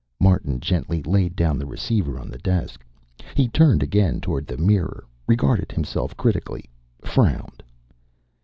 Martin gently laid down the receiver on the desk. He turned again toward the mirror, regarded himself critically, frowned.